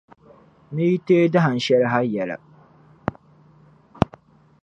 N yi teei dahin shɛli ha yɛla.